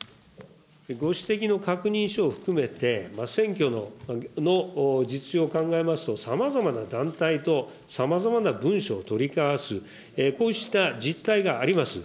ご指摘の確認書を含めて、選挙の実情を考えますと、さまざまな団体とさまざまな文書を取り交わす、こうした実態があります。